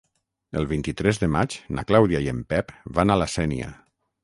El vint-i-tres de maig na Clàudia i en Pep van a la Sénia.